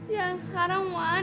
jangan sekarang wan